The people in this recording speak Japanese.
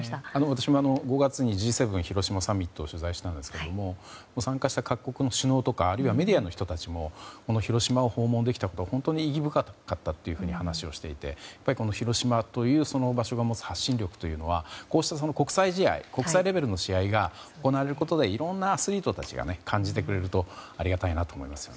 私も５月にＧ７広島サミットを取材したんですけれども参加した各国の首脳とかあるいはメディアの人たちも広島を訪問できたことは本当に意義深かったと話をしていてやっぱり広島というその場所が持つ発信力というのはこうした国際試合、国際レベルの試合が行われることで、いろんなアスリートたちが感じてくれるとありがたいなと思います。